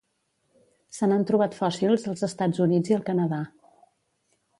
Se n'han trobat fòssils als Estats Units i el Canadà.